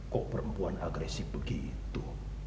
kok perempuan agresif begitu